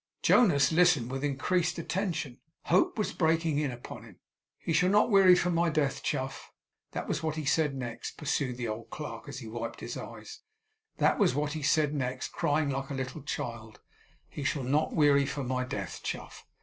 Jonas listened with increased attention. Hope was breaking in upon him. '"He shall not weary for my death, Chuff;" that was what he said next,' pursued the old clerk, as he wiped his eyes; 'that was what he said next, crying like a little child: "He shall not weary for my death, Chuff.